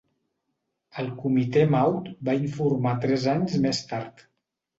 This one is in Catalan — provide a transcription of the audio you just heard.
El comitè MAUD va informar tres anys més tard.